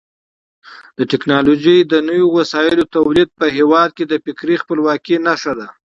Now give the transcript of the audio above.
د ټکنالوژۍ د نویو وسایلو تولید په هېواد کې د فکري خپلواکۍ نښه ده.